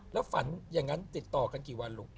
แล้วฝันอย่างนั้นติดต่อกันกี่วันลูก